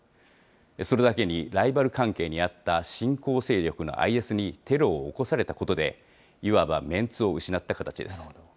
それだけにライバル関係にあった新興勢力のＩＳに、テロを起こされたことで、いわばメンツを失った形です。